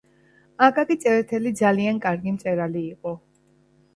აკაკი წერეთელი ძალიან კარგი მწერალი იყო